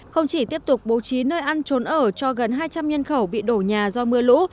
không chỉ tiếp tục bố trí nơi ăn trốn ở cho gần hai trăm linh nhân khẩu bị đổ nhà do mưa lũ